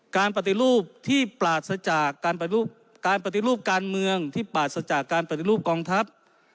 การปฏิรูปการเมืองที่ปาดสจากการปฏิรูปกองทัพ